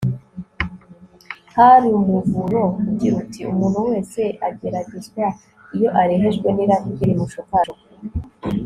hari umuburo ugira uti “umuntu wese ageragezwa iyo arehejwe n'irari rye rimushukashuka